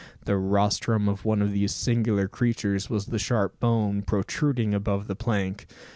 The rostrum of one of these singular creatures was the sharp bone protruding above the plank.